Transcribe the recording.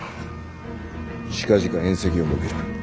近々宴席を設ける。